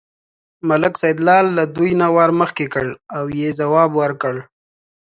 ملک سیدلال له دوی نه وار مخکې کړ او یې ځواب ورکړ.